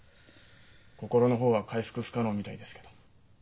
心の方は回復不可能みたいですけど。